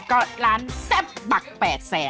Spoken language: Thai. ก็ร้านเซ็บบักแปดแสน